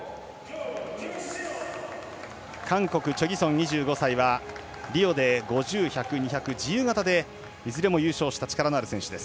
韓国チョ・ギソン、２５歳はリオで５０、１００２００の自由形でいずれも優勝した力のある選手。